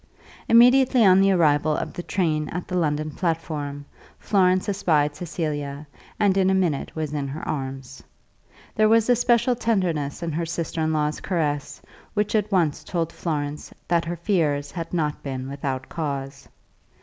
Immediately on the arrival of the train at the London platform, Florence espied Cecilia, and in a minute was in her arms. There was a special tenderness in her sister in law's caress, which at once told Florence that her fears had not been without cause.